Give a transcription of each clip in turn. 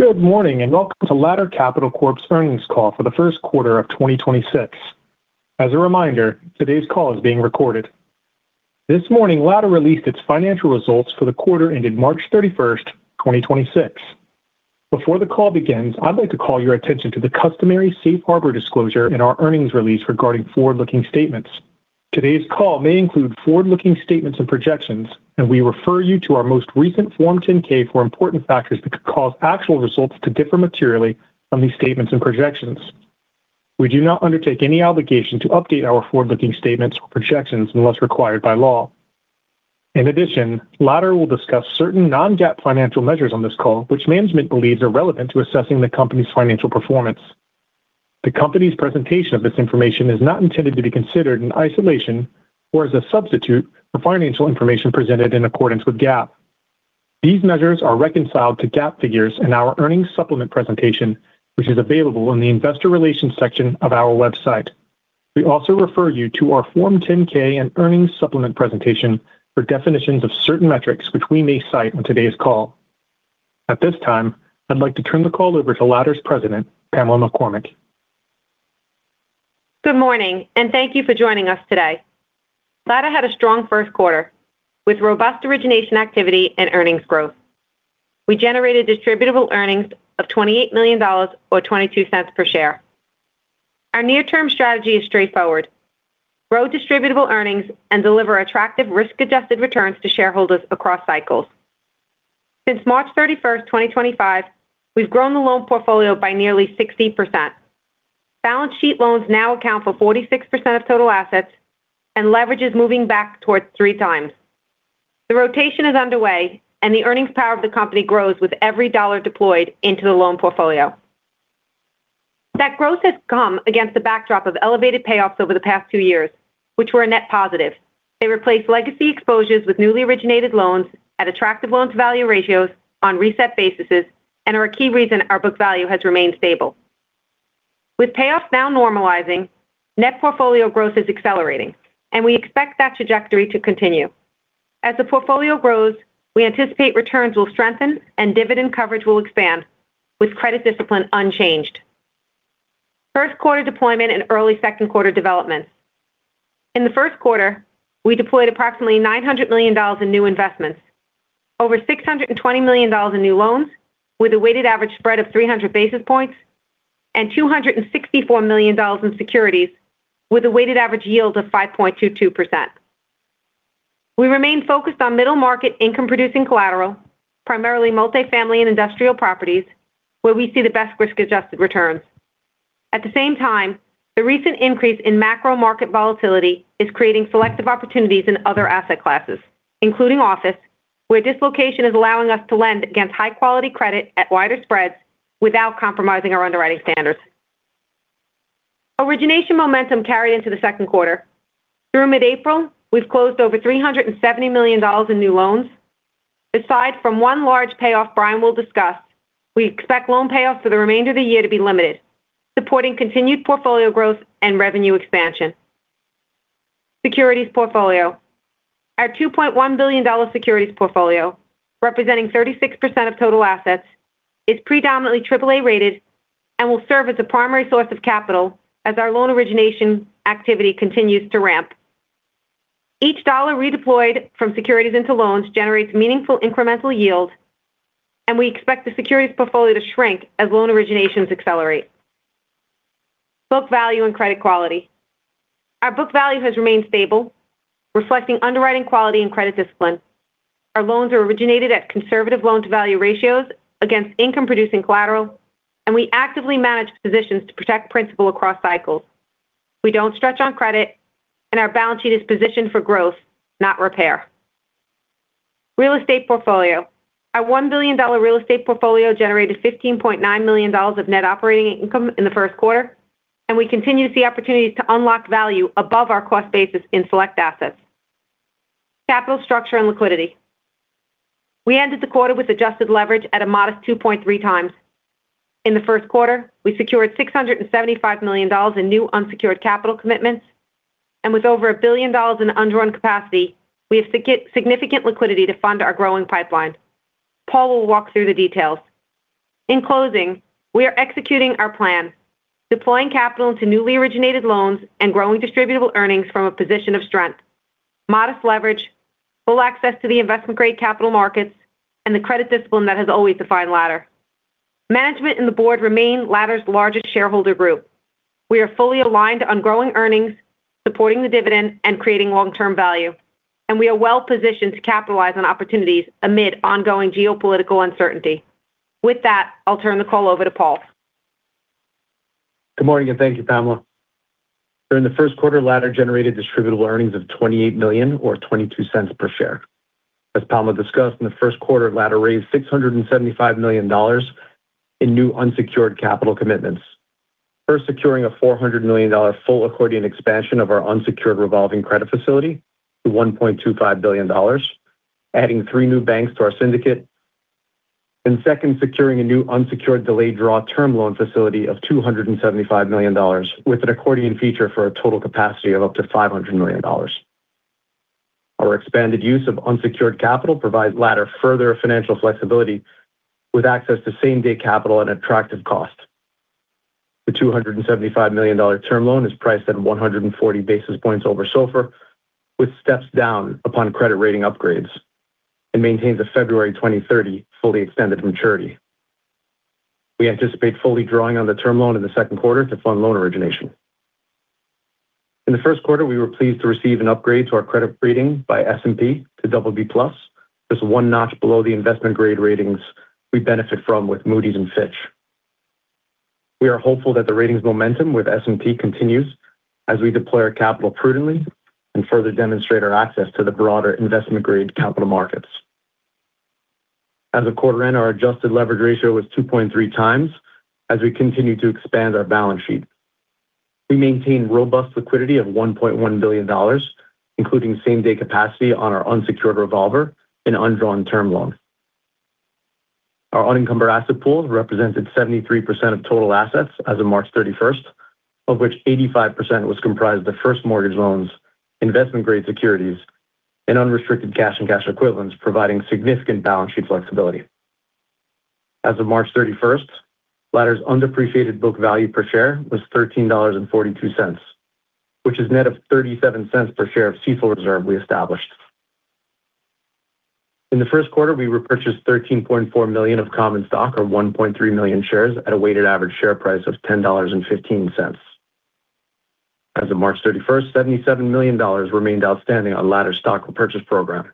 Good morning, and welcome to Ladder Capital Corp's Earnings Call for the First Quarter of 2026. As a reminder, today's call is being recorded. This morning, Ladder released its financial results for the quarter ended March 31st, 2026. Before the call begins, I'd like to call your attention to the customary safe harbor disclosure in our earnings release regarding forward-looking statements. Today's call may include forward-looking statements and projections, and we refer you to our most recent Form 10-K for important factors that could cause actual results to differ materially from these statements and projections. We do not undertake any obligation to update our forward-looking statements or projections unless required by law. In addition, Ladder will discuss certain non-GAAP financial measures on this call, which management believes are relevant to assessing the company's financial performance. The company's presentation of this information is not intended to be considered in isolation or as a substitute for financial information presented in accordance with GAAP. These measures are reconciled to GAAP figures in our earnings supplement presentation, which is available in the investor relations section of our website. We also refer you to our Form 10-K and earnings supplement presentation for definitions of certain metrics which we may cite on today's call. At this time, I'd like to turn the call over to Ladder's president, Pamela McCormack. Good morning, and thank you for joining us today. Ladder had a strong first quarter with robust origination activity and earnings growth. We generated Distributable Earnings of $28 million, or $0.22 per share. Our near-term strategy is straightforward, grow Distributable Earnings and deliver attractive risk-adjusted returns to shareholders across cycles. Since March 31st, 2025, we've grown the loan portfolio by nearly 60%. Balance sheet loans now account for 46% of total assets, and leverage is moving back towards 3x. The rotation is underway, and the earnings power of the company grows with every dollar deployed into the loan portfolio. That growth has come against the backdrop of elevated payoffs over the past two years, which were a net positive. They replaced legacy exposures with newly originated loans at attractive loan-to-value ratios on reset bases and are a key reason our book value has remained stable. With payoffs now normalizing, net portfolio growth is accelerating, and we expect that trajectory to continue. As the portfolio grows, we anticipate returns will strengthen and dividend coverage will expand with credit discipline unchanged. First quarter deployment and early second quarter developments in the first quarter, we deployed approximately $900 million in new investments, over $620 million in new loans, with a weighted average spread of 300 basis points and $264 million in securities with a weighted average yield of 5.22%. We remain focused on middle-market income-producing collateral, primarily multifamily and industrial properties, where we see the best risk-adjusted returns. At the same time, the recent increase in macro market volatility is creating selective opportunities in other asset classes, including office, where dislocation is allowing us to lend against high-quality credit at wider spreads without compromising our underwriting standards. Origination momentum carried into the second quarter. Through mid-April, we've closed over $370 million in new loans. Aside from one large payoff Brian will discuss, we expect loan payoffs for the remainder of the year to be limited, supporting continued portfolio growth and revenue expansion. Securities portfolio. Our $2.1 billion securities portfolio, representing 36% of total assets, is predominantly AAA-rated and will serve as a primary source of capital as our loan origination activity continues to ramp. Each dollar redeployed from securities into loans generates meaningful incremental yield, and we expect the securities portfolio to shrink as loan originations accelerate. Book value and credit quality. Our book value has remained stable, reflecting underwriting quality and credit discipline. Our loans are originated at conservative loan-to-value ratios against income-producing collateral, and we actively manage positions to protect principal across cycles. We don't stretch on credit, and our balance sheet is positioned for growth, not repair. Real estate portfolio. Our $1 billion real estate portfolio generated $15.9 million of net operating income in the first quarter, and we continue to see opportunities to unlock value above our cost basis in select assets. Capital structure and liquidity. We ended the quarter with adjusted leverage at a modest 2.3x. In the first quarter, we secured $675 million in new unsecured capital commitments, and with over $1 billion in undrawn capacity, we have significant liquidity to fund our growing pipeline. Paul will walk through the details. In closing, we are executing our plan, deploying capital into newly originated loans and growing distributable earnings from a position of strength, modest leverage, full access to the investment-grade capital markets, and the credit discipline that has always defined Ladder. Management and the board remain Ladder's largest shareholder group. We are fully aligned on growing earnings, supporting the dividend, and creating long-term value, and we are well positioned to capitalize on opportunities amid ongoing geopolitical uncertainty. With that, I'll turn the call over to Paul. Good morning, and thank you, Pamela. During the first quarter, Ladder generated distributable earnings of $28 million or $0.22 per share. As Pamela discussed, in the first quarter, Ladder raised $675 million in new unsecured capital commitments. First, securing a $400 million full accordion expansion of our unsecured revolving credit facility to $1.25 billion, adding three new banks to our syndicate. Second, securing a new unsecured delayed draw term loan facility of $275 million with an accordion feature for a total capacity of up to $500 million. Our expanded use of unsecured capital provides Ladder further financial flexibility with access to same-day capital at an attractive cost. The $275 million term loan is priced at 140 basis points over SOFR, which steps down upon credit rating upgrades and maintains a February 2030 fully extended maturity. We anticipate fully drawing on the term loan in the second quarter to fund loan origination. In the first quarter, we were pleased to receive an upgrade to our credit rating by S&P to BB+. This is one notch below the investment-grade ratings we benefit from with Moody's and Fitch. We are hopeful that the ratings momentum with S&P continues as we deploy our capital prudently and further demonstrate our access to the broader investment-grade capital markets. As of quarter-end, our adjusted leverage ratio was 2.3x, as we continue to expand our balance sheet. We maintained robust liquidity of $1.1 billion, including same-day capacity on our unsecured revolver and undrawn term loan. Our unencumbered asset pool represented 73% of total assets as of March 31st, of which 85% was comprised of first mortgage loans, investment-grade securities, and unrestricted cash and cash equivalents, providing significant balance sheet flexibility. As of March 31st, Ladder's undepreciated book value per share was $13.42, which is net of 37 cents per share of CECL reserve we established. In the first quarter, we repurchased $13.4 million of common stock, or 1.3 million shares, at a weighted average share price of $10.15. As of March 31st, $77 million remained outstanding on Ladder Stock Repurchase Program.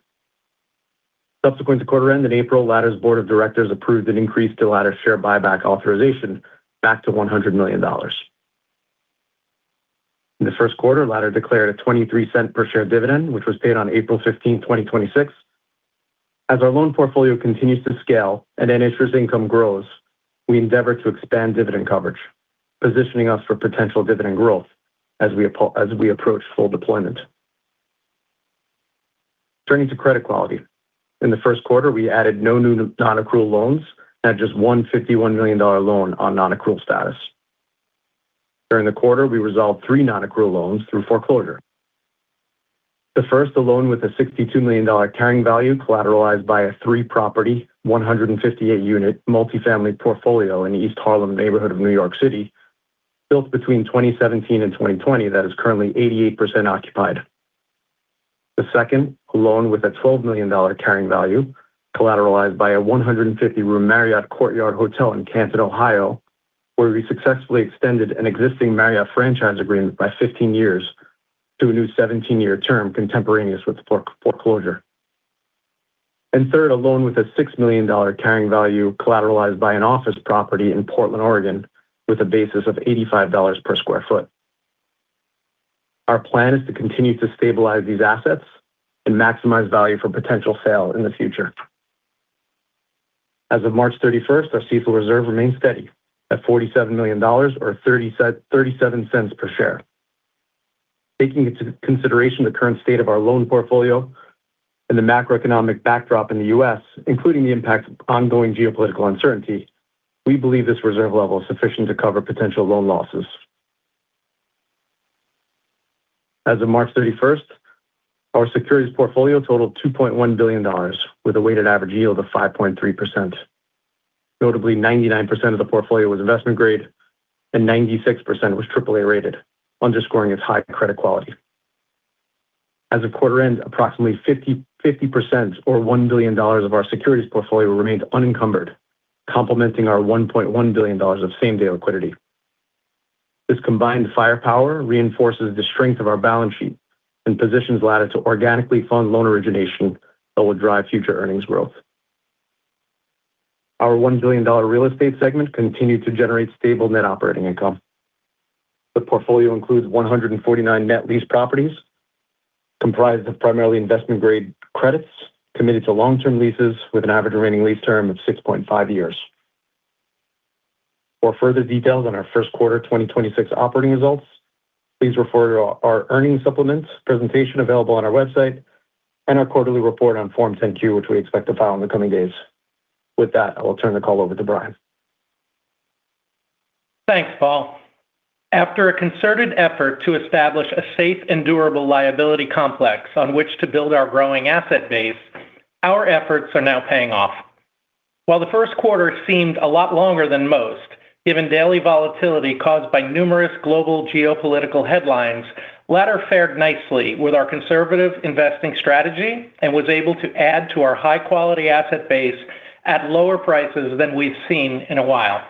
Subsequent to quarter end in April, Ladder's Board of Directors approved an increase to Ladder's share buyback authorization back to $100 million. In the first quarter, Ladder declared a 23-cent per share dividend, which was paid on April 15th, 2026. As our loan portfolio continues to scale and interest income grows, we endeavor to expand dividend coverage, positioning us for potential dividend growth as we approach full deployment. Turning to credit quality. In the first quarter, we added no new non-accrual loans and had just one $51 million loan on non-accrual status. During the quarter, we resolved three non-accrual loans through foreclosure. The first, a loan with a $62 million carrying value collateralized by a three-property, 158-unit multi-family portfolio in the East Harlem neighborhood of New York City, built between 2017 and 2020, that is currently 88% occupied. The second, a loan with a $12 million carrying value collateralized by a 150-room Courtyard by Marriott hotel in Canton, Ohio, where we successfully extended an existing Marriott franchise agreement by 15 years to a new 17-year term contemporaneous with the foreclosure. Third, a loan with a $6 million carrying value collateralized by an office property in Portland, Oregon, with a basis of $85 per sq ft. Our plan is to continue to stabilize these assets and maximize value for potential sale in the future. As of March 31st, our CECL reserve remains steady at $47 million or $0.37 per share. Taking into consideration the current state of our loan portfolio and the macroeconomic backdrop in the U.S., including the impact of ongoing geopolitical uncertainty, we believe this reserve level is sufficient to cover potential loan losses. As of March 31st, our securities portfolio totaled $2.1 billion, with a weighted average yield of 5.3%. Notably, 99% of the portfolio was investment grade and 96% was AAA-rated, underscoring its high credit quality. As of quarter end, approximately 50% or $1 billion of our securities portfolio remained unencumbered, complementing our $1.1 billion of same-day liquidity. This combined firepower reinforces the strength of our balance sheet and positions Ladder to organically fund loan origination that will drive future earnings growth. Our $1 billion real estate segment continued to generate stable net operating income. The portfolio includes 149 net leased properties comprised of primarily investment-grade credits committed to long-term leases with an average remaining lease term of 6.5 years. For further details on our first quarter 2026 operating results, please refer to our earnings supplements presentation available on our website and our quarterly report on Form 10-Q, which we expect to file in the coming days. With that, I will turn the call over to Brian. Thanks, Paul. After a concerted effort to establish a safe and durable liability complex on which to build our growing asset base, our efforts are now paying off. While the first quarter seemed a lot longer than most, given daily volatility caused by numerous global geopolitical headlines, Ladder fared nicely with our conservative investing strategy and was able to add to our high-quality asset base at lower prices than we've seen in a while.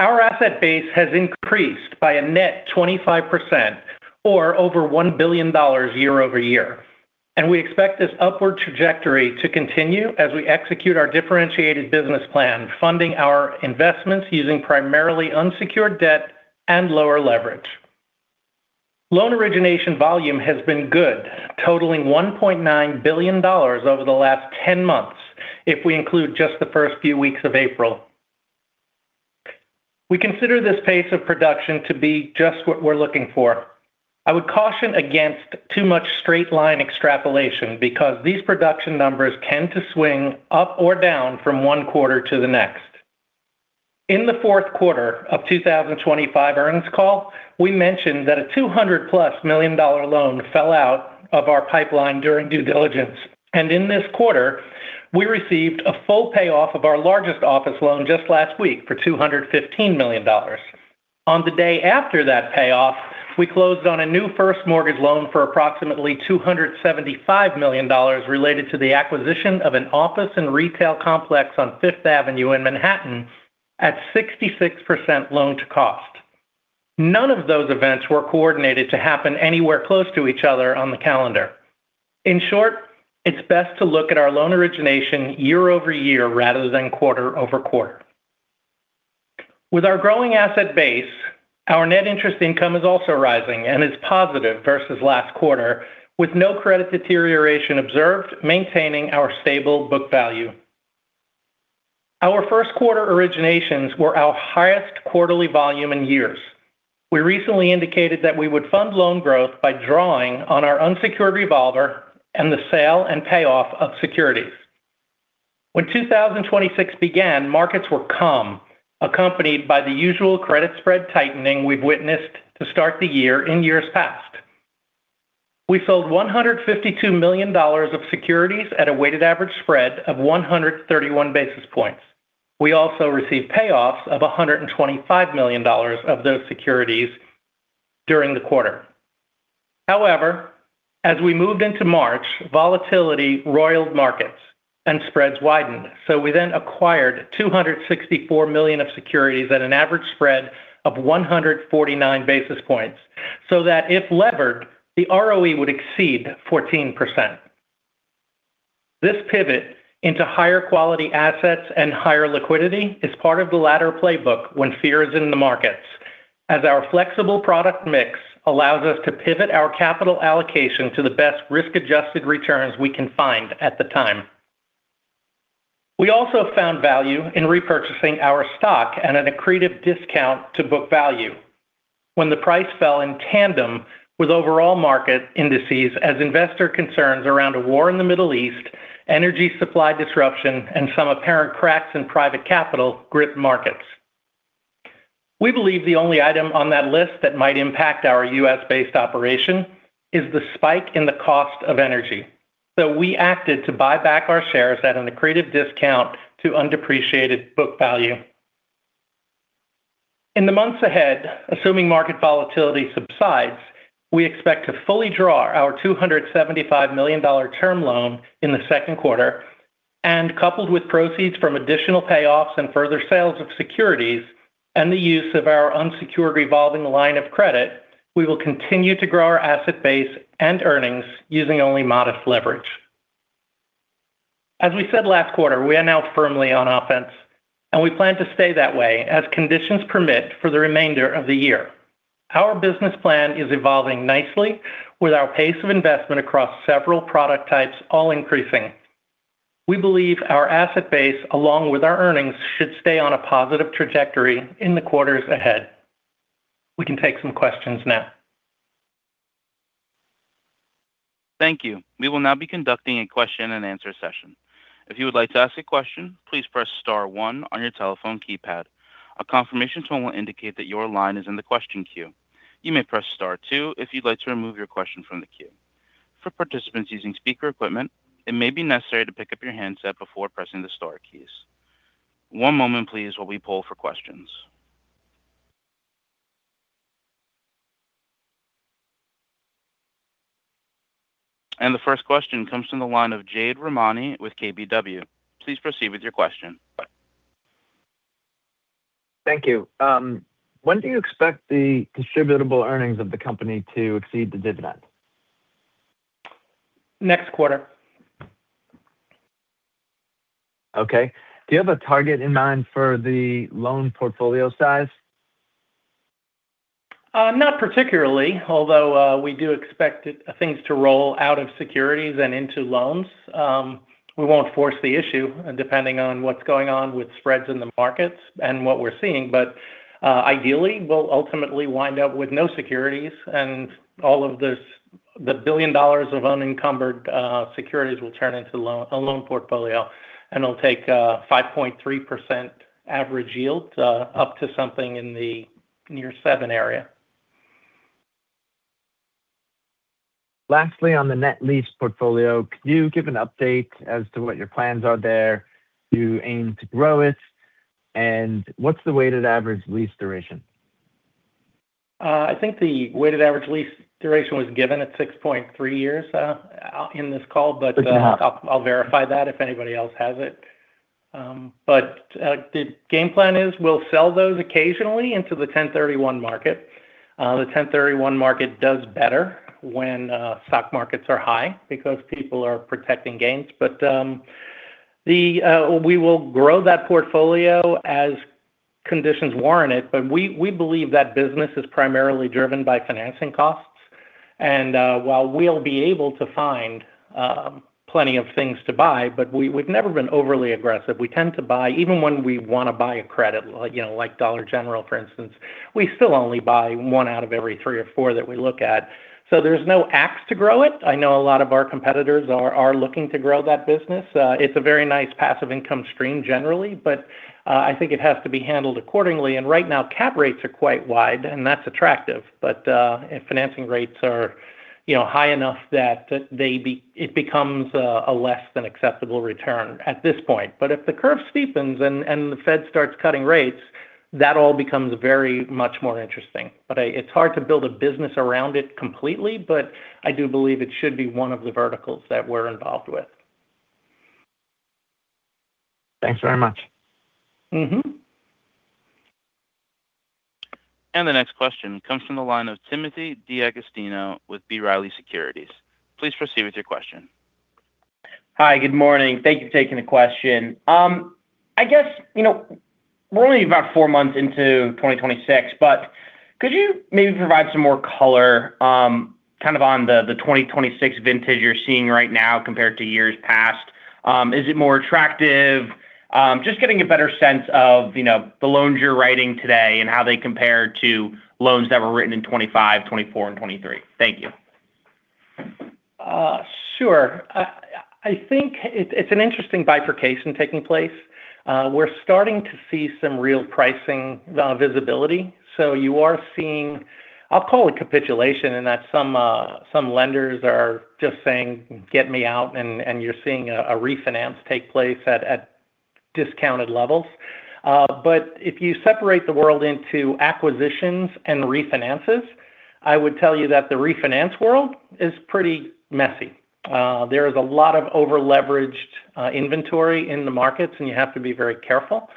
Our asset base has increased by a net 25%, or over $1 billion year-over-year, and we expect this upward trajectory to continue as we execute our differentiated business plan, funding our investments using primarily unsecured debt and lower leverage. Loan origination volume has been good, totaling $1.9 billion over the last 10 months, if we include just the first few weeks of April. We consider this pace of production to be just what we're looking for. I would caution against too much straight-line extrapolation because these production numbers tend to swing up or down from one quarter to the next. In the fourth quarter of 2025 earnings call, we mentioned that a $200+ million loan fell out of our pipeline during due diligence. In this quarter, we received a full payoff of our largest office loan just last week for $215 million. On the day after that payoff, we closed on a new first mortgage loan for approximately $275 million related to the acquisition of an office and retail complex on Fifth Avenue in Manhattan at 66% loan to cost. None of those events were coordinated to happen anywhere close to each other on the calendar. In short, it's best to look at our loan origination year-over-year rather than quarter-over-quarter. With our growing asset base, our net interest income is also rising and is positive versus last quarter, with no credit deterioration observed maintaining our stable book value. Our first quarter originations were our highest quarterly volume in years. We recently indicated that we would fund loan growth by drawing on our unsecured revolver and the sale and payoff of securities. When the year began, markets were calm, accompanied by the usual credit spread tightening we've witnessed to start the year in years past. We sold $152 million of securities at a weighted average spread of 131 basis points. We also received payoffs of $125 million of those securities during the quarter. However, as we moved into March, volatility roiled markets and spreads widened. We then acquired $264 million of securities at an average spread of 149 basis points, so that if levered, the ROE would exceed 14%. This pivot into higher quality assets and higher liquidity is part of the latter playbook when fear is in the markets, as our flexible product mix allows us to pivot our capital allocation to the best risk-adjusted returns we can find at the time. We also found value in repurchasing our stock at an accretive discount to book value when the price fell in tandem with overall market indices as investor concerns around a war in the Middle East, energy supply disruption, and some apparent cracks in private capital gripped markets. We believe the only item on that list that might impact our U.S.-based operation is the spike in the cost of energy. We acted to buy back our shares at an accretive discount to undepreciated book value. In the months ahead, assuming market volatility subsides, we expect to fully draw our $275 million term loan in the second quarter. Coupled with proceeds from additional payoffs and further sales of securities and the use of our unsecured revolving line of credit, we will continue to grow our asset base and earnings using only modest leverage. As we said last quarter, we are now firmly on offense, and we plan to stay that way as conditions permit for the remainder of the year. Our business plan is evolving nicely with our pace of investment across several product types all increasing. We believe our asset base, along with our earnings, should stay on a positive trajectory in the quarters ahead. We can take some questions now. Thank you. We will now be conducting a question-and-answer session. If you would like to ask a question, please press star one on your telephone keypad. A confirmation tone will indicate that your line is in the question queue. You may press star two if you'd like to remove your question from the queue. For participants using speaker equipment, it may be necessary to pick up your handset before pressing the star keys. One moment please while we poll for questions. The first question comes from the line of Jade Rahmani with KBW. Please proceed with your question. Thank you. When do you expect the Distributable Earnings of the company to exceed the dividend? Next quarter. Okay. Do you have a target in mind for the loan portfolio size? Not particularly, although we do expect things to roll out of securities and into loans. We won't force the issue depending on what's going on with spreads in the markets and what we're seeing. Ideally, we'll ultimately wind up with no securities, and all of the $1 billion of unencumbered securities will turn into a loan portfolio, and it'll take a 5.3% average yield up to something in the near 7% area. Lastly, on the net lease portfolio, could you give an update as to what your plans are there? Do you aim to grow it? And what's the weighted average lease duration? I think the weighted average lease duration was given at 6.3 years in this call. It was. I'll verify that if anybody else has it. The game plan is we'll sell those occasionally into the 1031 market. The 1031 market does better when stock markets are high because people are protecting gains. We will grow that portfolio as conditions warrant it. We believe that business is primarily driven by financing costs. While we'll be able to find plenty of things to buy, but we've never been overly aggressive. We tend to buy even when we want to buy a credit like Dollar General, for instance, we still only buy one out of every three or four that we look at. So there's no rush to grow it. I know a lot of our competitors are looking to grow that business. It's a very nice passive income stream generally, but I think it has to be handled accordingly. Right now cap rates are quite wide and that's attractive. If financing rates are high enough that it becomes a less than acceptable return at this point. If the curve steepens and the Fed starts cutting rates, that all becomes very much more interesting. It's hard to build a business around it completely. I do believe it should be one of the verticals that we're involved with. Thanks very much. Mm-hmm. The next question comes from the line of Timothy D'Agostino with B. Riley Securities. Please proceed with your question. Hi. Good morning. Thank you for taking the question. I guess, we're only about four months into 2026, but could you maybe provide some more color on the 2026 vintage you're seeing right now compared to years past? Is it more attractive? Just getting a better sense of the loans you're writing today and how they compare to loans that were written in 2025, 2024, and 2023. Thank you. Sure. I think it's an interesting bifurcation taking place. We're starting to see some real pricing visibility. You are seeing, I'll call it capitulation in that some lenders are just saying, "Get me out," and you're seeing a refinance take place at discounted levels. If you separate the world into acquisitions and refinances, I would tell you that the refinance world is pretty messy. There is a lot of over-leveraged inventory in the markets, and you have to be very careful.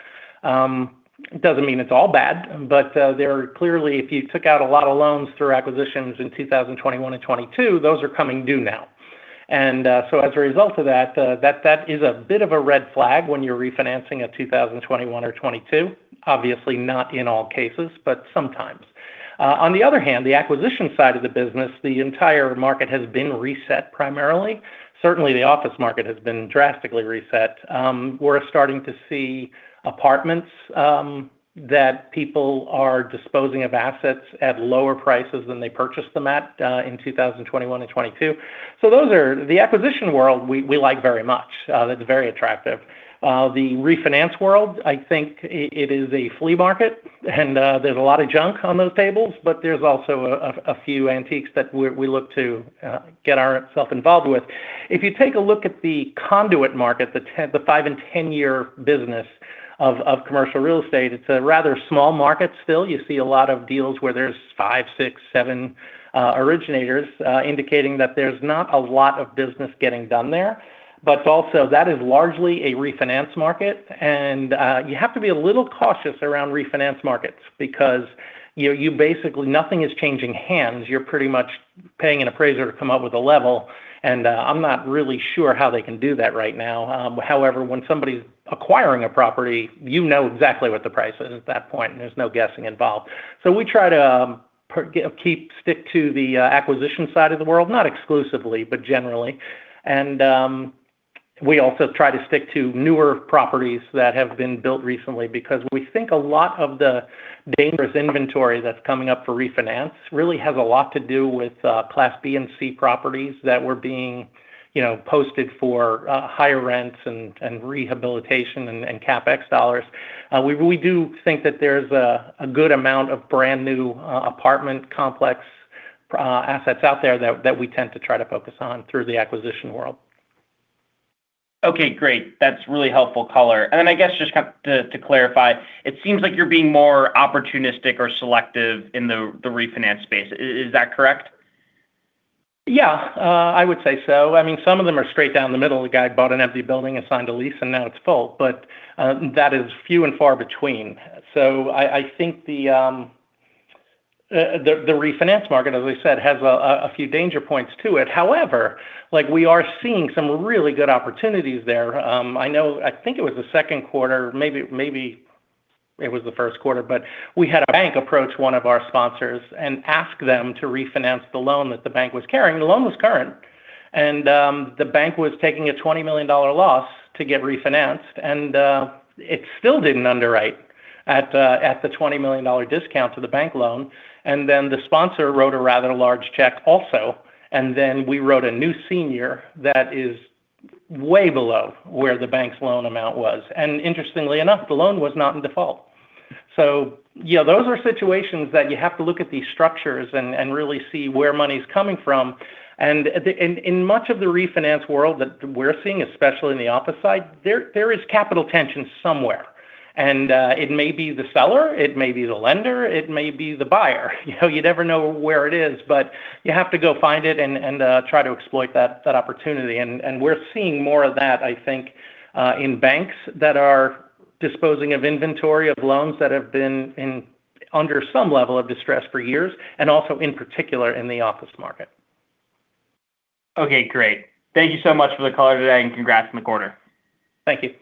It doesn't mean it's all bad, but there clearly if you took out a lot of loans through acquisitions in 2021 and 2022, those are coming due now. As a result of that, that is a bit of a red flag when you're refinancing a 2021 or 2022, obviously not in all cases, but sometimes. On the other hand, the acquisition side of the business, the entire market has been reset primarily. Certainly, the office market has been drastically reset. We're starting to see apartments that people are disposing of assets at lower prices than they purchased them at in 2021 and 2022. The acquisition world, we like very much. That's very attractive. The refinance world, I think it is a flea market and there's a lot of junk on those tables, but there's also a few antiques that we look to get ourselves involved with. If you take a look at the conduit market, the 5-year and 10-year business of commercial real estate, it's a rather small market still. You see a lot of deals where there's five, six, seven originators indicating that there's not a lot of business getting done there. Also, that is largely a refinance market. You have to be a little cautious around refinance markets because basically nothing is changing hands. You're pretty much paying an appraiser to come up with a level, and I'm not really sure how they can do that right now. However, when somebody's acquiring a property, you know exactly what the price is at that point, and there's no guessing involved. We try to stick to the acquisition side of the world, not exclusively, but generally. We also try to stick to newer properties that have been built recently because we think a lot of the dangerous inventory that's coming up for refinance really has a lot to do with Class B and C properties that were being posted for higher rents and rehabilitation and CapEx dollars. We do think that there's a good amount of brand-new apartment complex assets out there that we tend to try to focus on through the acquisition world. Okay, great. That's really helpful color. I guess just to clarify, it seems like you're being more opportunistic or selective in the refinance space. Is that correct? Yeah, I would say so. Some of them are straight down the middle. The guy bought an empty building and signed a lease, and now it's full. That is few and far between. I think the refinance market, as we said, has a few danger points to it. However, we are seeing some really good opportunities there. I think it was the second quarter, maybe it was the first quarter, but we had a bank approach one of our sponsors and ask them to refinance the loan that the bank was carrying. The loan was current, and the bank was taking a $20 million loss to get refinanced, and it still didn't underwrite at the $20 million discount to the bank loan. Then the sponsor wrote a rather large check also, and then we wrote a new senior that is way below where the bank's loan amount was. Interestingly enough, the loan was not in default. Yeah, those are situations that you have to look at these structures and really see where money's coming from. In much of the refinance world that we're seeing, especially in the office side, there is capital tension somewhere, and it may be the seller, it may be the lender, it may be the buyer. You never know where it is, but you have to go find it and try to exploit that opportunity. We're seeing more of that, I think, in banks that are disposing of inventory of loans that have been under some level of distress for years, and also in particular in the office market. Okay, great. Thank you so much for the call today and congrats on the quarter. Thank you.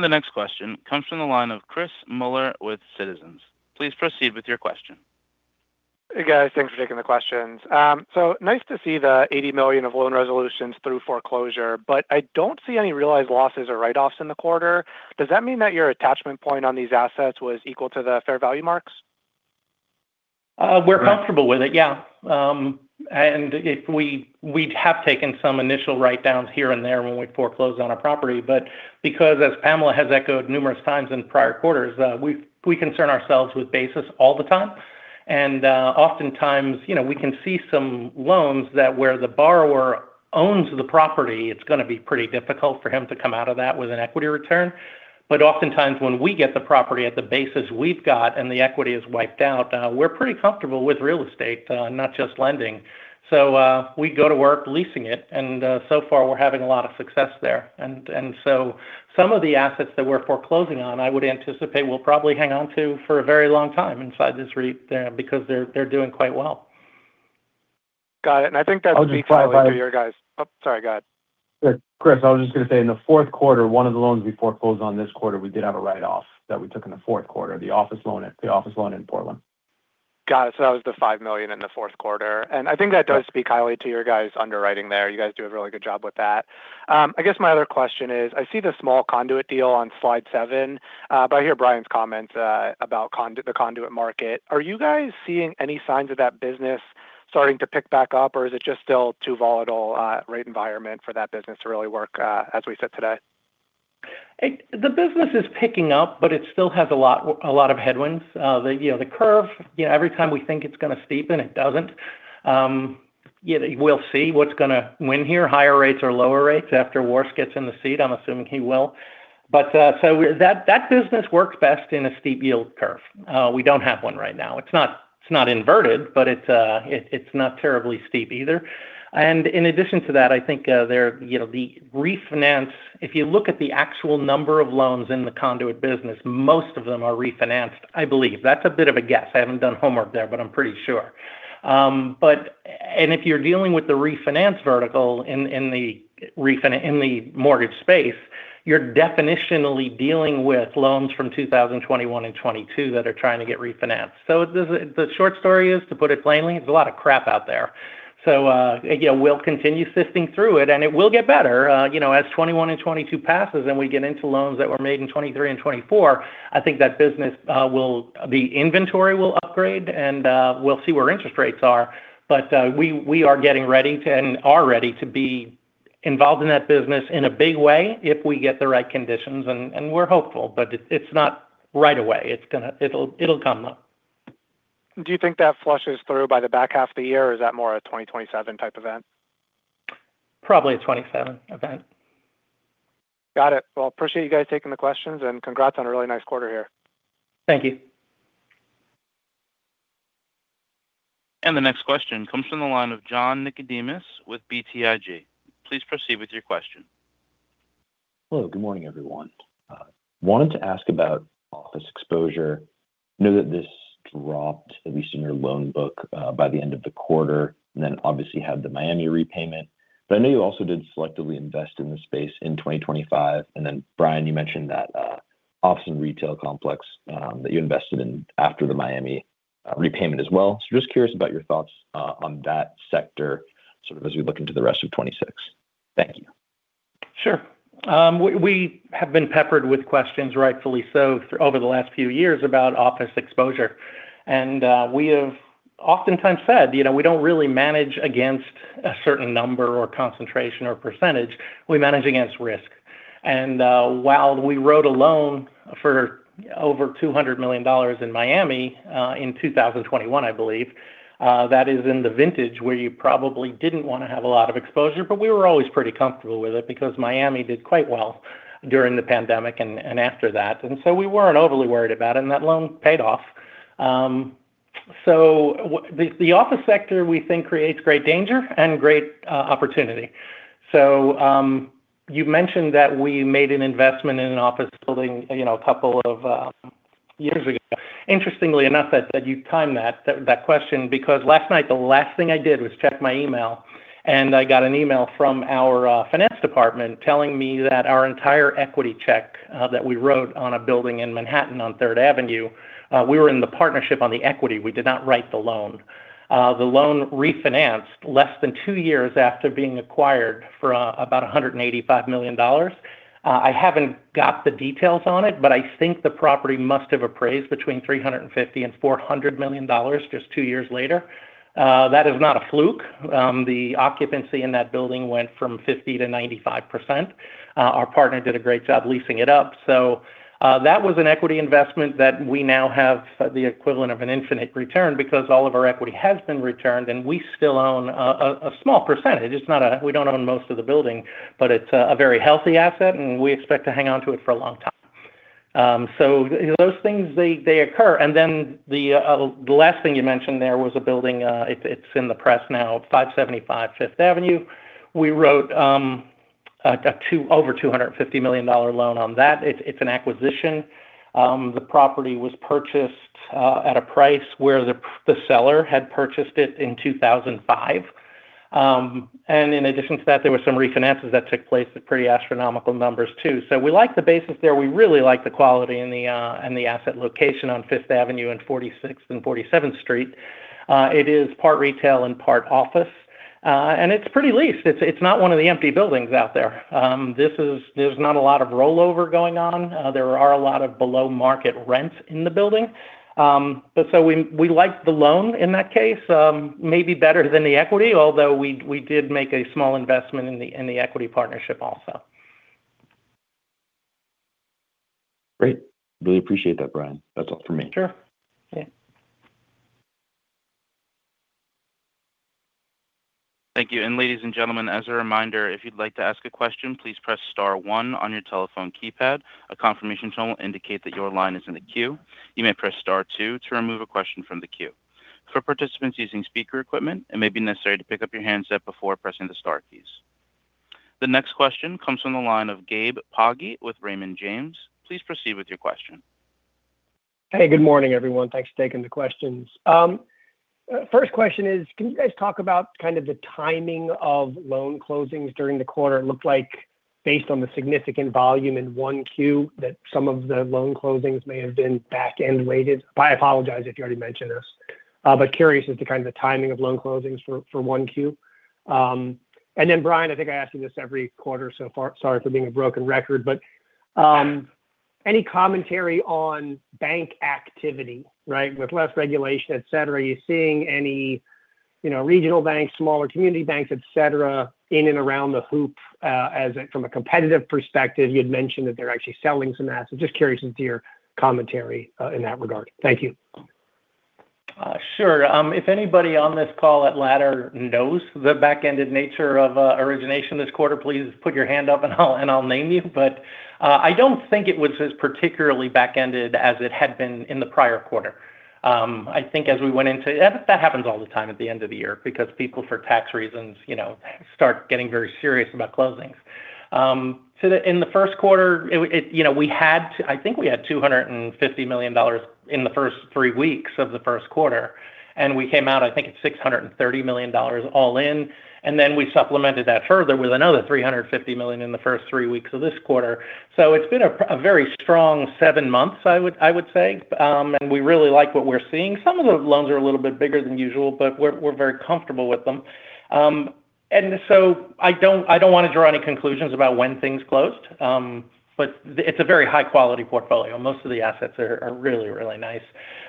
The next question comes from the line of Chris Muller with Citizens. Please proceed with your question. Hey, guys. Thanks for taking the questions. Nice to see the $80 million of loan resolutions through foreclosure, but I don't see any realized losses or write-offs in the quarter. Does that mean that your attachment point on these assets was equal to the fair value marks? We're comfortable with it, yeah. We have taken some initial write-downs here and there when we foreclosed on a property. Because, as Pamela has echoed numerous times in prior quarters, we concern ourselves with basis all the time. Oftentimes, we can see some loans that where the borrower owns the property, it's going to be pretty difficult for him to come out of that with an equity return. Oftentimes when we get the property at the basis we've got and the equity is wiped out, we're pretty comfortable with real estate, not just lending. We go to work leasing it, and so far we're having a lot of success there. Some of the assets that we're foreclosing on, I would anticipate we'll probably hang on to for a very long time inside this REIT there because they're doing quite well. Got it. I think that would be I'll just qualify. Probably to you guys. Oh, sorry. Go ahead. Chris, I was just going to say, in the fourth quarter, one of the loans we foreclosed on this quarter, we did have a write-off that we took in the fourth quarter, the office loan in Portland. Got it. That was the $5 million in the fourth quarter. I think that does speak highly to your guys' underwriting there. You guys do a really good job with that. I guess my other question is, I see the small conduit deal on slide 7, but I hear Brian's comments about the conduit market. Are you guys seeing any signs of that business starting to pick back up, or is it just still too volatile rate environment for that business to really work, as we sit today? The business is picking up, but it still has a lot of headwinds. The curve, every time we think it's going to steepen, it doesn't. We'll see what's going to win here, higher rates or lower rates after Warsh gets in the seat. I'm assuming he will. That business works best in a steep yield curve. We don't have one right now. It's not inverted, but it's not terribly steep either. In addition to that, I think the refinance. If you look at the actual number of loans in the conduit business, most of them are refinanced, I believe. That's a bit of a guess. I haven't done homework there, but I'm pretty sure. If you're dealing with the refinance vertical in the mortgage space, you're definitionally dealing with loans from 2021 and 2022 that are trying to get refinanced. The short story is, to put it plainly, there's a lot of crap out there. We'll continue sifting through it, and it will get better. As 2021 and 2022 passes and we get into loans that were made in 2023 and 2024, I think the inventory will upgrade and we'll see where interest rates are. We are ready to be involved in that business in a big way if we get the right conditions, and we're hopeful, but it's not right away. It'll come. Do you think that flushes through by the back half of the year, or is that more a 2027 type event? Probably a 2027 event. Got it. Well, appreciate you guys taking the questions, and congrats on a really nice quarter here. Thank you. The next question comes from the line of John Nickodemus with BTIG. Please proceed with your question. Hello. Good morning, everyone. I wanted to ask about office exposure. I know that this dropped, at least in your loan book, by the end of the quarter, and then obviously had the Miami repayment. I know you also did selectively invest in this space in 2025, and then Brian, you mentioned that office and retail complex that you invested in after the Miami repayment as well. Just curious about your thoughts on that sector sort of as we look into the rest of 2026. Thank you. Sure. We have been peppered with questions, rightfully so, over the last few years about office exposure. We have oftentimes said we don't really manage against a certain number or concentration or percentage. We manage against risk. While we wrote a loan for over $200 million in Miami in 2021, I believe, that is in the vintage where you probably didn't want to have a lot of exposure, but we were always pretty comfortable with it because Miami did quite well during the pandemic and after that. We weren't overly worried about it, and that loan paid off. The office sector, we think, creates great danger and great opportunity. You mentioned that we made an investment in an office building a couple of years ago. Interestingly enough that you timed that question because last night the last thing I did was check my email, and I got an email from our finance department telling me that our entire equity check that we wrote on a building in Manhattan on Third Avenue. We were in the partnership on the equity. We did not write the loan. The loan refinanced less than two years after being acquired for about $185 million. I haven't got the details on it, but I think the property must have appraised between $350 million and $400 million just two years later. That is not a fluke. The occupancy in that building went from 50%-95%. Our partner did a great job leasing it up. That was an equity investment that we now have the equivalent of an infinite return because all of our equity has been returned and we still own a small percentage. We don't own most of the building, but it's a very healthy asset, and we expect to hang on to it for a long time. Those things, they occur. Then the last thing you mentioned there was a building, it's in the press now, 575 Fifth Avenue. We wrote over $250 million loan on that. It's an acquisition. The property was purchased at a price where the seller had purchased it in 2005. In addition to that, there were some refinances that took place at pretty astronomical numbers too. We like the basis there. We really like the quality and the asset location on Fifth Avenue and 46th and 47th Street. It is part retail and part office. It's pretty leased. It's not one of the empty buildings out there. There's not a lot of rollover going on. There are a lot of below-market rents in the building. We liked the loan in that case maybe better than the equity, although we did make a small investment in the equity partnership also. Great. Really appreciate that, Brian. That's all for me. Sure. Yeah. Thank you. Ladies and gentlemen, as a reminder, if you'd like to ask a question, please press star one on your telephone keypad. A confirmation tone will indicate that your line is in the queue. You may press star two to remove a question from the queue. For participants using speaker equipment, it may be necessary to pick up your handset before pressing the star keys. The next question comes from the line of Gabe Poggi with Raymond James. Please proceed with your question. Hey, good morning, everyone. Thanks for taking the questions. First question is, can you guys talk about kind of the timing of loan closings during the quarter? It looked like based on the significant volume in 1Q that some of the loan closings may have been back-end weighted. I apologize if you already mentioned this, but curious as to kind of the timing of loan closings for 1Q. Brian, I think I ask you this every quarter, so, sorry for being a broken record, but any commentary on bank activity, right? With less regulation, et cetera, are you seeing any regional banks, smaller community banks, et cetera, in and around the loop from a competitive perspective? You had mentioned that they're actually selling some assets. Just curious as to your commentary in that regard. Thank you. Sure. If anybody on this call at Ladder knows the back-ended nature of origination this quarter, please put your hand up and I'll name you, but I don't think it was as particularly back-ended as it had been in the prior quarter. I think as we went into it, that happens all the time at the end of the year because people, for tax reasons, start getting very serious about closings. In the first quarter, I think we had $250 million in the first three weeks of the first quarter, and we came out, I think it's $630 million all in, and then we supplemented that further with another $350 million in the first three weeks of this quarter. It's been a very strong seven months, I would say, and we really like what we're seeing. Some of the loans are a little bit bigger than usual, but we're very comfortable with them. I don't want to draw any conclusions about when things closed, but it's a very high-quality portfolio. Most of the assets are really, really nice,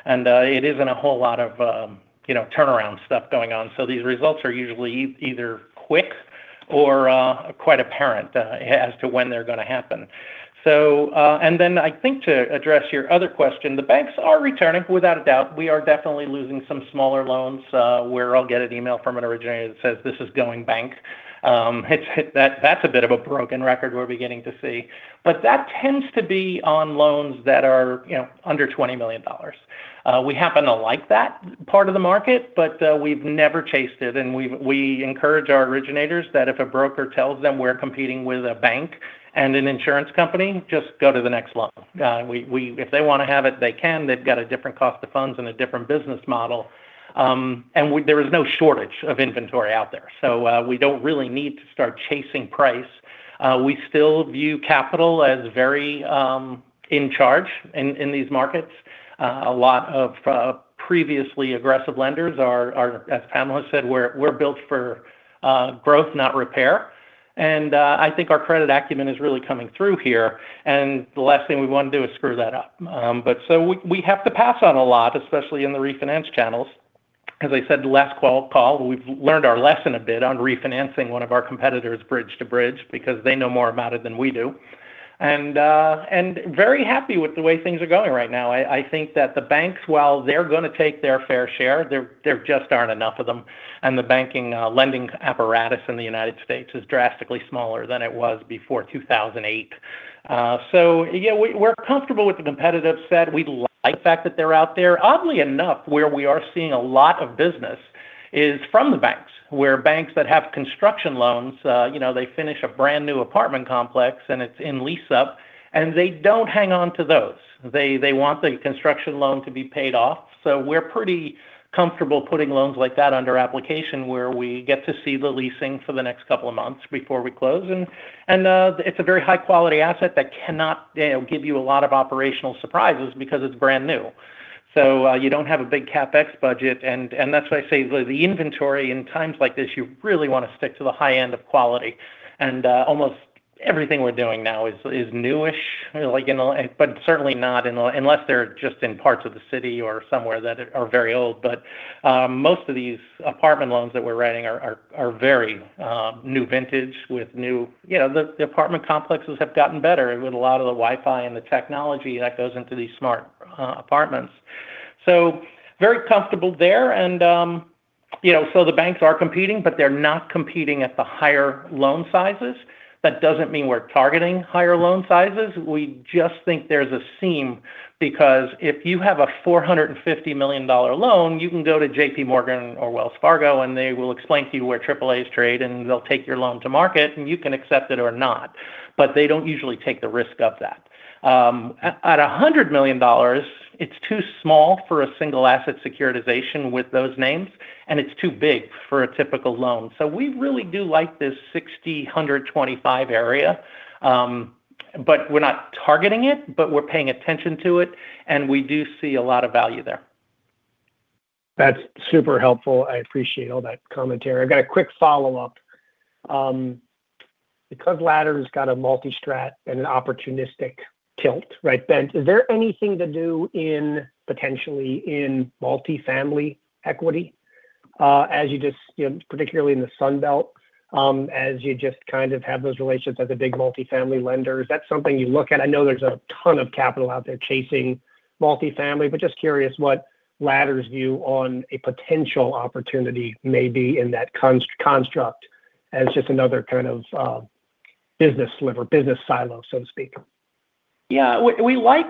and it isn't a whole lot of turnaround stuff going on. These results are usually either quick or quite apparent as to when they're going to happen. I think to address your other question, the banks are returning, without a doubt. We are definitely losing some smaller loans where I'll get an email from an originator that says this is going bank. That's a bit of a broken record we're beginning to see. That tends to be on loans that are under $20 million. We happen to like that part of the market, but we've never chased it, and we encourage our originators that if a broker tells them we're competing with a bank and an insurance company, just go to the next loan. If they want to have it, they can. They've got a different cost of funds and a different business model. There is no shortage of inventory out there. We don't really need to start chasing price. We still view capital as very in charge in these markets. A lot of previously aggressive lenders are, as Pamela said, we're built for growth, not repair, and I think our credit acumen is really coming through here, and the last thing we want to do is screw that up. We have to pass on a lot, especially in the refinance channels. As I said last call, we've learned our lesson a bit on refinancing one of our competitors bridge to bridge because they know more about it than we do. Very happy with the way things are going right now. I think that the banks, while they're going to take their fair share, there just aren't enough of them, and the banking lending apparatus in the United States is drastically smaller than it was before 2008. Yeah, we're comfortable with the competitive set. We like the fact that they're out there. Oddly enough, where we are seeing a lot of business is from the banks, where banks that have construction loans, they finish a brand-new apartment complex and it's in lease-up, and they don't hang on to those. They want the construction loan to be paid off. We're pretty comfortable putting loans like that under application where we get to see the leasing for the next couple of months before we close, and it's a very high-quality asset that cannot give you a lot of operational surprises because it's brand new. You don't have a big CapEx budget, and that's why I say the inventory in times like this, you really want to stick to the high end of quality. Almost everything we're doing now is newish, but certainly not unless they're just in parts of the city or somewhere that are very old. Most of these apartment loans that we're writing are very new vintage. The apartment complexes have gotten better with a lot of the Wi-Fi and the technology that goes into these smart apartments. Very comfortable there. The banks are competing, but they're not competing at the higher loan sizes. That doesn't mean we're targeting higher loan sizes. We just think there's a seam because if you have a $450 million loan, you can go to JPMorgan or Wells Fargo, and they will explain to you where AAAs trade, and they'll take your loan to market, and you can accept it or not. They don't usually take the risk of that. At $100 million, it's too small for a single asset securitization with those names, and it's too big for a typical loan. We really do like this $60 million-$125 million area. We're not targeting it, but we're paying attention to it, and we do see a lot of value there. That's super helpful. I appreciate all that commentary. I got a quick follow-up. Because Ladder's got a multi-strat and an opportunistic tilt, right, Brian? Is there anything to do potentially in multifamily equity, particularly in the Sun Belt, as you just kind of have those relationships at the big multifamily lenders? Is that something you look at? I know there's a ton of capital out there chasing multifamily, but just curious what Ladder's view on a potential opportunity may be in that construct as just another kind of business sliver, business silo, so to speak. Yeah. We like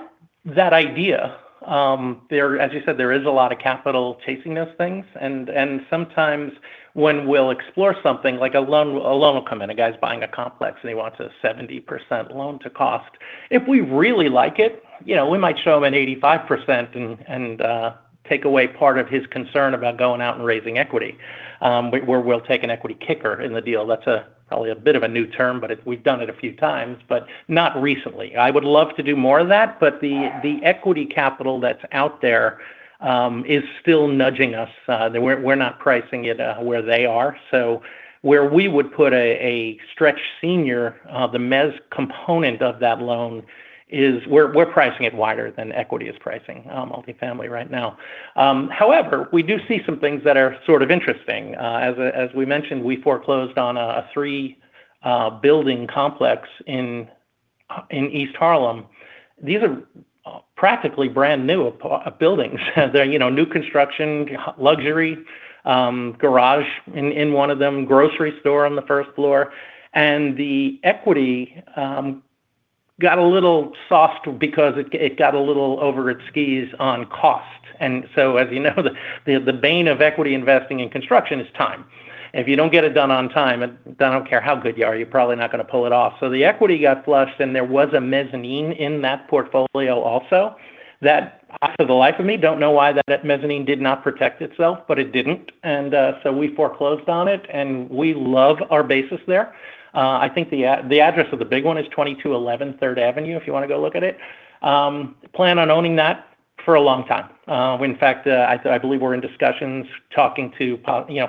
that idea. As you said, there is a lot of capital chasing those things, and sometimes when we'll explore something, like a loan will come in, a guy's buying a complex, and he wants a 70% loan-to-cost. If we really like it, we might show him an 85% and take away part of his concern about going out and raising equity. Or we'll take an equity kicker in the deal. That's probably a bit of a new term, but we've done it a few times, but not recently. I would love to do more of that, but the equity capital that's out there is still nudging us. We're not pricing it where they are. Where we would put a stretch senior, the mezz component of that loan is we're pricing it wider than equity is pricing multifamily right now. However, we do see some things that are sort of interesting. As we mentioned, we foreclosed on a three-building complex in East Harlem. These are practically brand-new buildings. They're new construction, luxury, garage in one of them, grocery store on the first floor. The equity got a little soft because it got a little over its skis on cost. As you know, the bane of equity investing in construction is time. If you don't get it done on time, I don't care how good you are, you're probably not going to pull it off. The equity got flushed, and there was a mezzanine in that portfolio also that, for the life of me, don't know why that mezzanine did not protect itself, but it didn't. We foreclosed on it, and we love our basis there. I think the address of the big one is 2211 Third Avenue if you want to go look at it. Plan on owning that for a long time. In fact, I believe we're in discussions talking to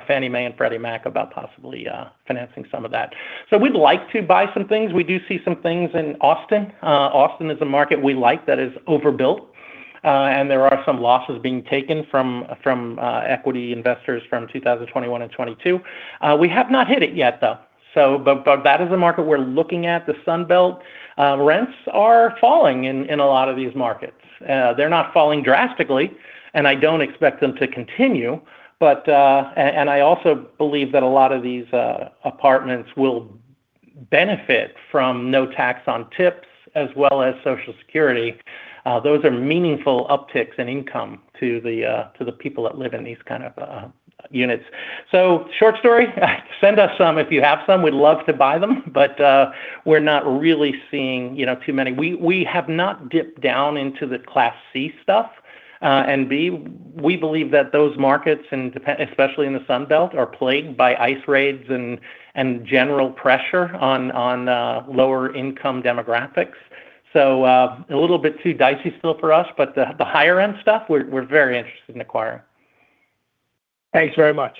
Fannie Mae and Freddie Mac about possibly financing some of that. We'd like to buy some things. We do see some things in Austin. Austin is a market we like that is overbuilt. There are some losses being taken from equity investors from 2021 and 2022. We have not hit it yet, though. That is a market we're looking at, the Sun Belt. Rents are falling in a lot of these markets. They're not falling drastically, and I don't expect them to continue, and I also believe that a lot of these apartments will benefit from no tax on tips as well as Social Security. Those are meaningful upticks in income to the people that live in these kind of units. Short story, send us some if you have some. We'd love to buy them, but we're not really seeing too many. We have not dipped down into the Class C stuff. B, we believe that those markets, especially in the Sun Belt, are plagued by ICE raids and general pressure on lower-income demographics. A little bit too dicey still for us, but the higher-end stuff, we're very interested in acquiring. Thanks very much.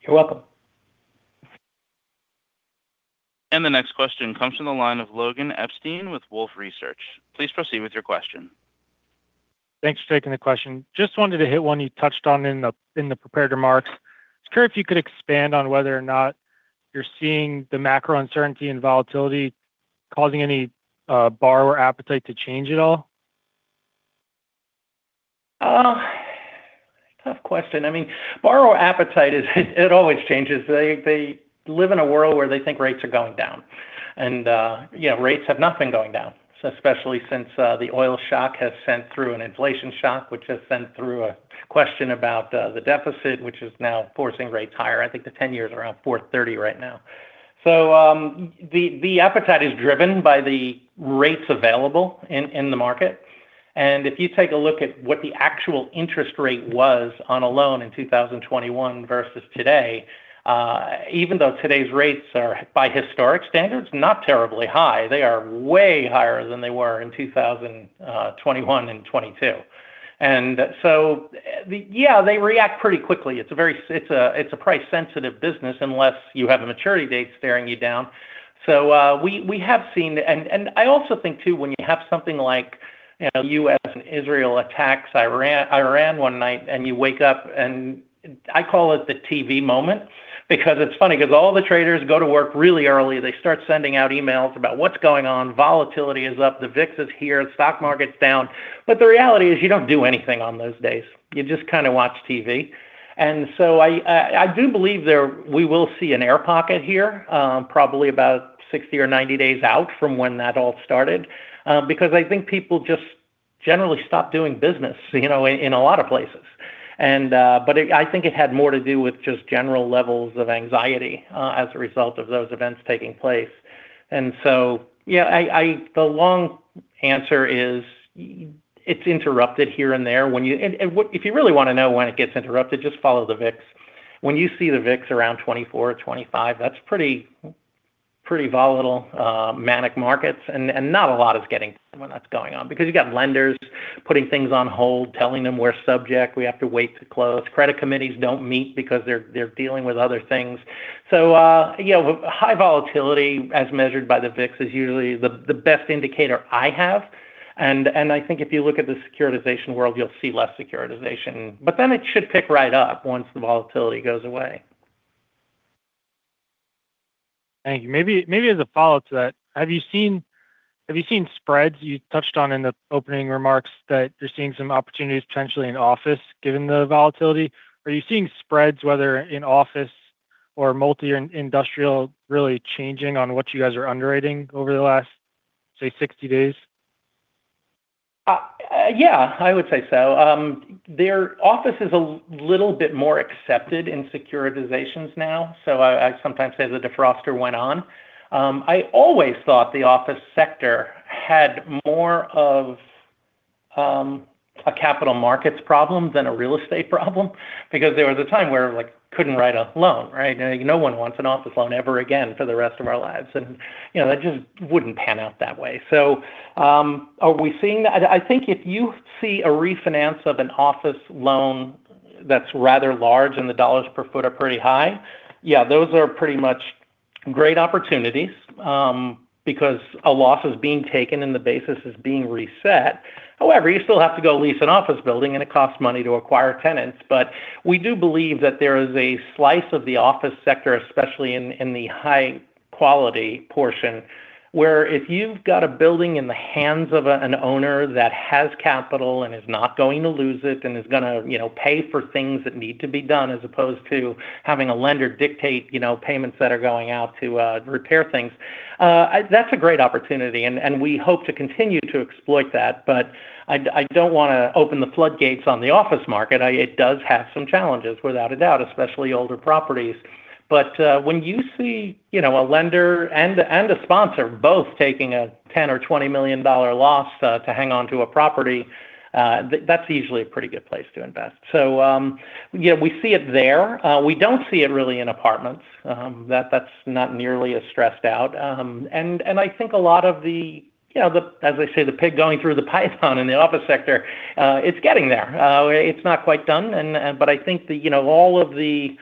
You're welcome. The next question comes from the line of Logan Epstein with Wolfe Research. Please proceed with your question. Thanks for taking the question. Just wanted to hit one you touched on in the prepared remarks. I was curious if you could expand on whether or not you're seeing the macro uncertainty and volatility causing any borrower appetite to change at all. Tough question. Borrower appetite, it always changes. They live in a world where they think rates are going down. Rates have not been going down, especially since the oil shock has sent through an inflation shock, which has sent through a question about the deficit, which is now forcing rates higher. I think the 10-year is around 4.30 right now. The appetite is driven by the rates available in the market. If you take a look at what the actual interest rate was on a loan in 2021 versus today, even though today's rates are by historic standards, not terribly high, they are way higher than they were in 2021 and 2022. Yeah, they react pretty quickly. It's a price-sensitive business unless you have a maturity date staring you down. So, we have seen, and I also think too, when you have something like U.S. and Israel attacks Iran one night and you wake up and I call it the TV moment because it's funny because all the traders go to work really early. They start sending out emails about what's going on. Volatility is up. The VIX is here. The stock market's down. The reality is you don't do anything on those days. You just kind of watch TV. I do believe we will see an air pocket here, probably about 60 or 90 days out from when that all started. Because I think people generally stopped doing business in a lot of places. I think it had more to do with just general levels of anxiety as a result of those events taking place. Yeah, the long answer is it's interrupted here and there. If you really want to know when it gets interrupted, just follow the VIX. When you see the VIX around 24 or 25, that's pretty volatile, manic markets. Not a lot is getting done when that's going on, because you've got lenders putting things on hold, telling them we're subject, we have to wait to close. Credit committees don't meet because they're dealing with other things. Yeah, high volatility as measured by the VIX is usually the best indicator I have. I think if you look at the securitization world, you'll see less securitization. Then it should pick right up once the volatility goes away. Thank you. Maybe as a follow-up to that, have you seen spreads? You touched on in the opening remarks that you're seeing some opportunities potentially in office, given the volatility. Are you seeing spreads, whether in office or multifamily, industrial, really changing on what you guys are underwriting over the last, say, 60 days? Yeah, I would say so. Office is a little bit more accepted in securitizations now, so I sometimes say the defroster went on. I always thought the office sector had more of a capital markets problem than a real estate problem because there was a time where I couldn't write a loan. No one wants an office loan ever again for the rest of our lives. That just wouldn't pan out that way. Are we seeing that? I think if you see a refinance of an office loan that's rather large and the dollars per foot are pretty high, yeah, those are pretty much great opportunities, because a loss is being taken and the basis is being reset. However, you still have to go lease an office building, and it costs money to acquire tenants. We do believe that there is a slice of the office sector, especially in the high-quality portion, where if you've got a building in the hands of an owner that has capital and is not going to lose it and is going to pay for things that need to be done, as opposed to having a lender dictate payments that are going out to repair things, that's a great opportunity, and we hope to continue to exploit that. I don't want to open the floodgates on the office market. It does have some challenges, without a doubt, especially older properties. When you see a lender and a sponsor both taking a $10 or $20 million loss to hang onto a property, that's usually a pretty good place to invest. We see it there. We don't see it really in apartments. That's not nearly as stressed out. I think a lot of the, as they say, the pig going through the python in the office sector, it's getting there. It's not quite done. I think that all of the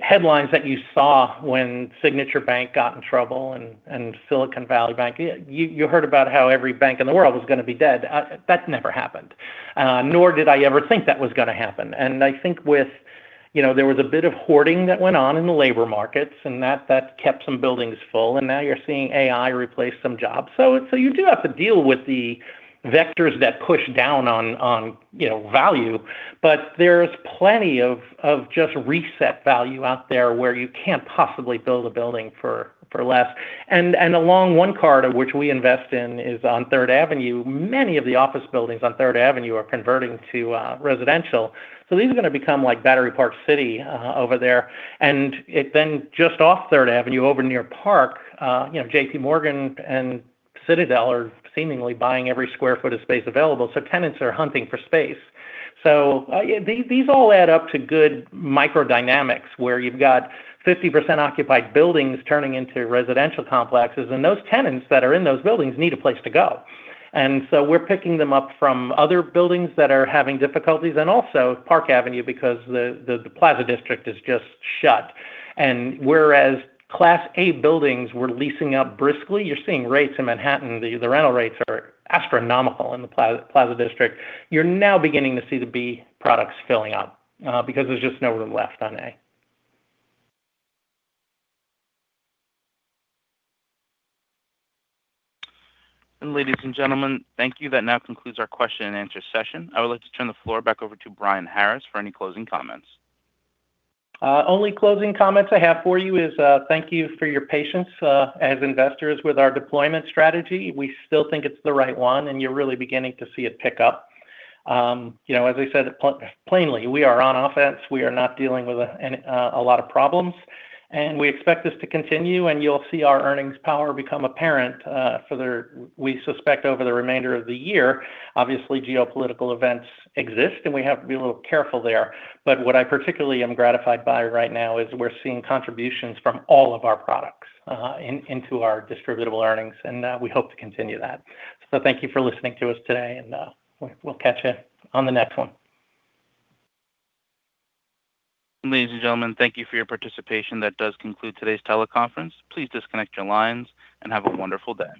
headlines that you saw when Signature Bank got in trouble and Silicon Valley Bank, you heard about how every bank in the world was going to be dead. That never happened, nor did I ever think that was going to happen. I think there was a bit of hoarding that went on in the labor markets, and that kept some buildings full, and now you're seeing AI replace some jobs. You do have to deal with the vectors that push down on value. There's plenty of just reset value out there where you can't possibly build a building for less. Along One Court, which we invest in, is on Third Avenue. Many of the office buildings on Third Avenue are converting to residential. These are going to become like Battery Park City over there. Then just off Third Avenue, over near Park, JPMorgan and Citadel are seemingly buying every square foot of space available. Tenants are hunting for space. These all add up to good microdynamics, where you've got 50% occupied buildings turning into residential complexes, and those tenants that are in those buildings need a place to go. We're picking them up from other buildings that are having difficulties and also Park Avenue because the Plaza District is just shut. Whereas Class A buildings were leasing up briskly, you're seeing rates in Manhattan, the rental rates are astronomical in the Plaza District. You're now beginning to see the B products filling up because there's just no room left on A. Ladies and gentlemen, thank you. That now concludes our question and answer session. I would like to turn the floor back over to Brian Harris for any closing comments. only closing comments I have for you is thank you for your patience as investors with our deployment strategy. We still think it's the right one, and you're really beginning to see it pick up. As I said plainly, we are on offense. We are not dealing with a lot of problems, and we expect this to continue, and you'll see our earnings power become apparent, we suspect, over the remainder of the year. Obviously, geopolitical events exist, and we have to be a little careful there. What I particularly am gratified by right now is we're seeing contributions from all of our products into our Distributable Earnings, and we hope to continue that. Thank you for listening to us today, and we'll catch you on the next one. Ladies and gentlemen, thank you for your participation. That does conclude today's teleconference. Please disconnect your lines and have a wonderful day.